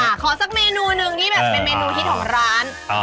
ขอสักเมนูนึงที่เมนูฮิตของร้าน